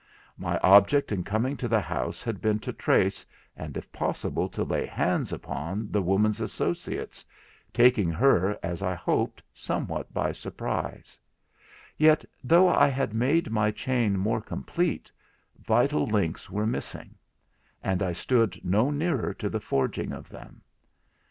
My object in coming to the house had been to trace, and if possible to lay hands upon the woman's associates, taking her, as I hoped, somewhat by surprise; yet though I had made my chain more complete, vital links were missing; and I stood no nearer to the forging of them.